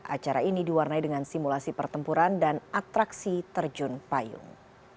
acara ini diwarnai dengan simulasi pertempuran dan atraksi terjun payung